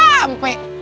kan gua baru sampe